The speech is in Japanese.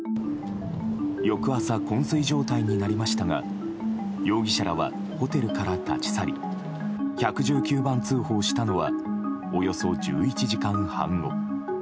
翌朝、昏睡状態になりましたが容疑者らはホテルから立ち去り１１９番通報したのはおよそ１１時間半後。